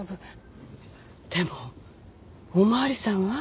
でもお巡りさんは？